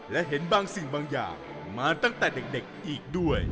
และเห็นบางสิ่งบางอย่างมาตั้งแต่เด็กอีกด้วย